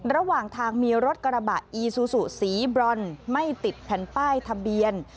ระหว่างทางมีรถกระบะอีซูซูสีบรอนไม่ติดแผ่นป้ายทะเบียน